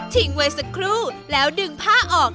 ไว้สักครู่แล้วดึงผ้าออก